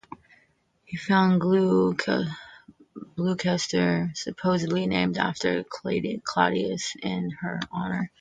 He founded Gloucester, supposedly named after Claudius, in her honour.